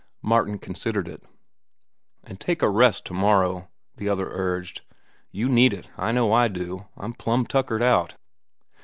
Martin considered it. "An' take a rest to morrow," the other urged. "You need it. I know I do. I'm plumb tuckered out."